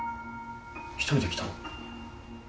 １人で来たの？